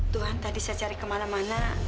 tuhan tadi saya cari kemana mana